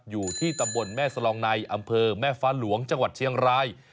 อยู่ที่ตำบลแม่สลองในอำเภอแม่ฟ้าหลวงจังหวัดเชียงราย